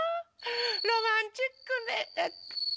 ロマンチックね。